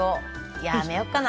やめようかな？